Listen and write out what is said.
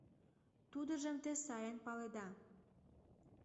Тудыжым те сайын паледа.